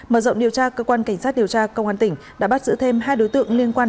mở rộng điều tra cơ quan cảnh sát điều tra công an tỉnh đã bắt giữ thêm hai đối tượng liên quan